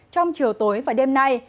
trong chiều tối và đêm nay